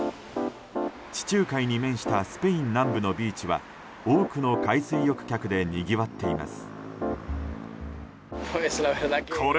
地中海に面したスペイン南部のビーチは多くの海水浴客でにぎわっています。